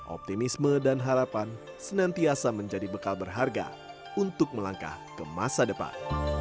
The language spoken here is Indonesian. optimisme dan harapan senantiasa menjadi bekal berharga untuk melangkah ke masa depan